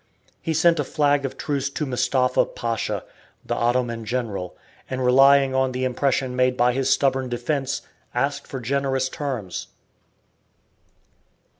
He sent a flag of truce to Mustapha Pasha, the Ottoman general, and relying on the impression made by his stubborn defence, asked for generous terms.